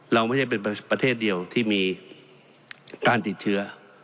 เราไม่ใช่เป็นประเทศเดียวที่มีการติดเชื้อ